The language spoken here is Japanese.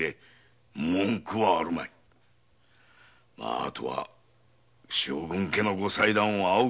あとは将軍家のご裁断を仰ぐばかり。